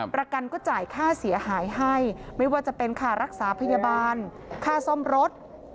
ประกันก็จ่ายค่าเสียหายให้ไม่ว่าจะเป็นค่ารักษาพยาบาลค่าซ่อมรถ